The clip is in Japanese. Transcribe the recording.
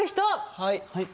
はい！